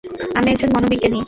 আমি একজন মনোবিজ্ঞানী।